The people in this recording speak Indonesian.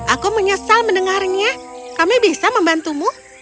aku menyesal mendengarnya kami bisa membantumu